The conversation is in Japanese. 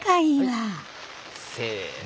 せの。